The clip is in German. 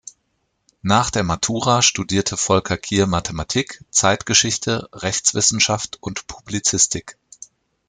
Nach der Matura studierte Volker Kier Mathematik, Zeitgeschichte, Rechtswissenschaft und Publizistik.